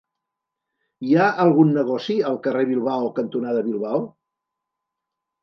Hi ha algun negoci al carrer Bilbao cantonada Bilbao?